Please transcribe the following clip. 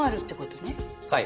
はい。